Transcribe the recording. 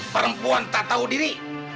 perempuan tak tahu diri